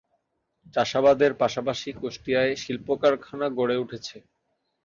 চাষাবাদের পাশাপাশি কুষ্টিয়ায় শিল্প কারখানা গড়ে উঠেছে।